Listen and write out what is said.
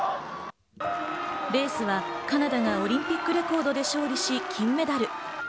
レースはカナダがオリンピックレコードで勝利し金メダル。